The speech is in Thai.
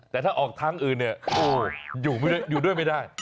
แต่ถ้าออกทางอื่นเนี่ยอยู่ด้วยไม่ได้